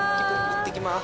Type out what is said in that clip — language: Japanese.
いってきます。